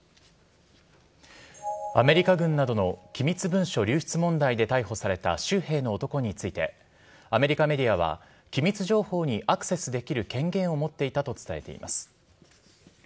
アメリカ軍などの機密文書流出問題で逮捕された州兵の男についてアメリカメディアは機密情報にアクセスできる権限を持っていたと伝えています。